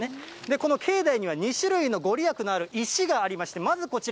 この境内には２種類の御利益のある石がありまして、まずこちら。